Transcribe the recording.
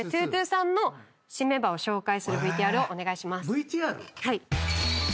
’２２さんの新メンバーを紹介するＶＴＲをお願いします。